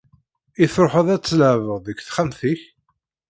I tṛuḥeḍ ad tleɛbeḍ deg texxamt-ik?